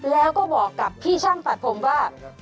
แล้วก็บอกกับพี่ช่างตัดผมว่า